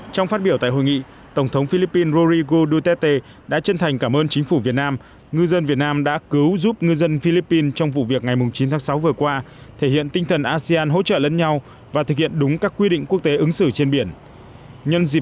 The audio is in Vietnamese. trong phát biểu tại hội nghị tổng thống philippines rodrigo duterte đã chân thành cảm ơn chính phủ việt nam ngư dân việt nam đã cứu giúp ngư dân philippines trong vụ việc ngày chín tháng sáu vừa qua thể hiện tinh thần asean hỗ trợ lẫn nhau và thực hiện đúng các quy định quốc tế ứng xử trên biển